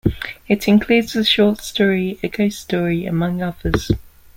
It includes the short story "A Ghost Story", among others.